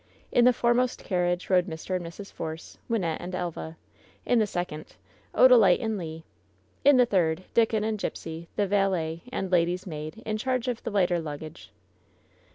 In the foremost carriage rode Mr. and Mrs. Force, Wynnette and Elva. In the second, Odalite and Le. In the third, Dickon and Gipsy, the valet and lady's maid, in charge of all the lighter luggage.